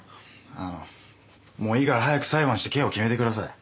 あのもういいから早く裁判して刑を決めてください。